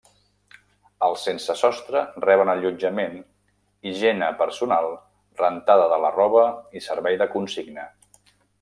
Els sense sostre reben allotjament, higiene personal, rentada de la roba i servei de consigna.